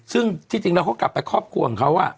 ซึ่งที่จริงแล้วเขากลับไปครอบครัวของเขา